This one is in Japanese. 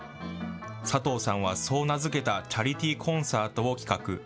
佐藤さんはそう名付けたチャリティーコンサートを企画。